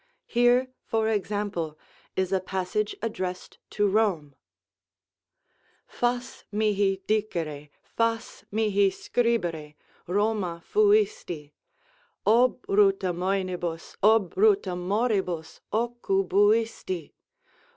Here, for example, is a passage addressed to Rome: "Fas mihi dicere, fas mihi scribere 'Roma fuisti,' Obruta moenibus, obruta moribus, occubuisti.